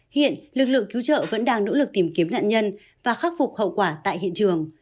hiện lực lượng cứu trợ vẫn đang nỗ lực tìm kiếm nạn nhân và khắc phục hậu quả tại hiện trường